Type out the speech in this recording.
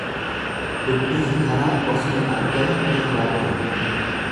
Dubbifi karaa osuma argani irraa goran.